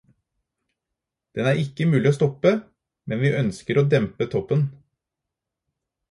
Den er ikke mulig å stoppe, men vi ønsker å dempe toppen.